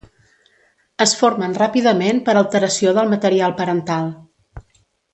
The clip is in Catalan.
Es formen ràpidament per alteració del material parental.